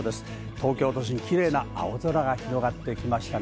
東京都心、キレイな青空が広がってきましたね。